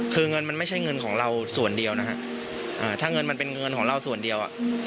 คือเงินมันไม่ใช่เงินของเราส่วนเดียวนะฮะถ้าเงินมันเป็นเงินของเราส่วนเดียว